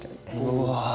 うわ。